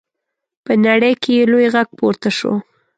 په نړۍ کې یې لوی غږ پورته شو.